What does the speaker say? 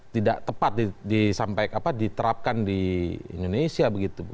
tidak tepat diterapkan di indonesia begitu